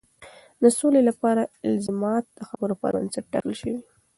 د سولې لپاره الزامات د خبرو پر بنسټ ټاکل شوي.